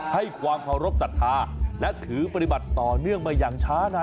ให้ความเคารพสัทธาและถือปฏิบัติต่อเนื่องมาอย่างช้านาน